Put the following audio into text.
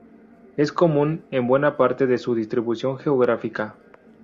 Es común en buena parte de su distribución geográfica.